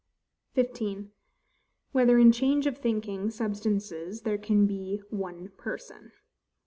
15. Whether in Change of thinking Substances there can be one Person.